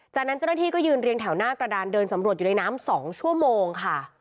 จากนั้นเจ้าหน้าที่ก็ยืนเรียงแถวหน้ากระดานเดินสำรวจอยู่ในน้ำ๒ชั่วโมงค่ะ